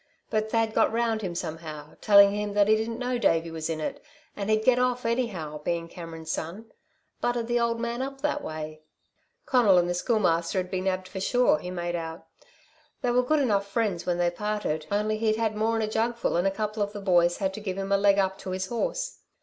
"But Thad got round him somehow, telling him that he didn't know Davey was in it, and he'd get off, anyhow, bein' Cameron's son. Buttered the old man up that way. Conal and the Schoolmaster'd be nabbed for sure, he made out. They were good enough friends when they parted only he'd had more'n a jugful, and a couple of the boys had to give him a leg up to his horse.